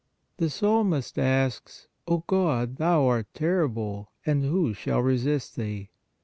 The psalmist asks :" O God, Thou art terrible, and who shall resist Thee?"